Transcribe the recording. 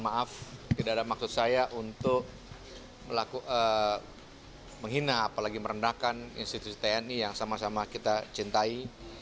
maaf tidak ada maksud saya untuk menghina apalagi merendahkan institusi tni yang sama sama kita cintai